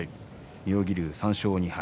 妙義龍３勝２敗。